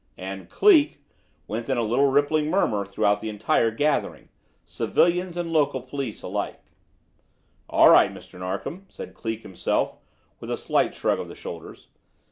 And "Cleek!" went in a little rippling murmur throughout the entire gathering, civilians and local police alike. "All right, Mr. Narkom," said Cleek himself, with a slight shrug of the shoulders.